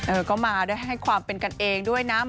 เออก็มาด้วยให้ความเป็นกันเองด้วยนะ